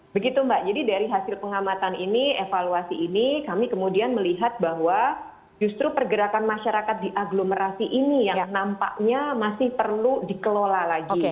begitu mbak jadi dari hasil pengamatan ini evaluasi ini kami kemudian melihat bahwa justru pergerakan masyarakat di agglomerasi ini yang nampaknya masih perlu dikelola lagi